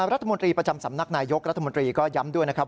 รัฐมนตรีประจำสำนักนายยกรัฐมนตรีก็ย้ำด้วยนะครับ